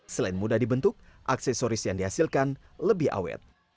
selain mudah dibentuk aksesoris yang dihasilkan lebih awet